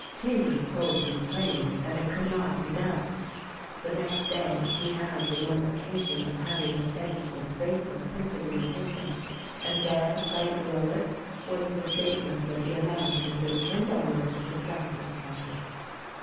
Chambers told him plainly that it could not be done. The next day he had the mortifica tion of having the thanks of Baker printed in the paper, and there, right below it, was the statement that the amount had been turned over to the strikers' treasury.